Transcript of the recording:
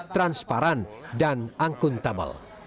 transparan dan akuntabel